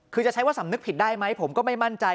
คือจะใช้ว่าสำนึกผิดได้ไหมผมก็ไม่มั่นใจ